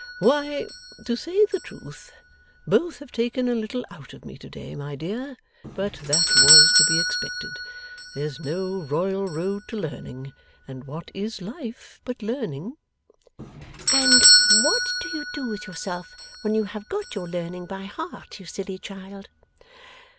Why, to say the truth, both have taken a little out of me to day, my dear, but that was to be expected. There's no royal road to learning; and what is life but learning!' 'And what do you do with yourself when you have got your learning by heart, you silly child?